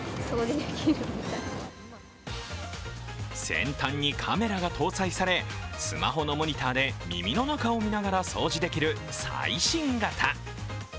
先端にカメラが搭載されスマホのモニターで耳の中を見ながら掃除できる最新型。